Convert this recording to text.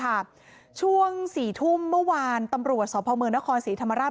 ธรรมราชค่ะช่วงสี่ทุ่มเมื่อวานตำรวจสอบภาวเมืองนครศรีธรรมราช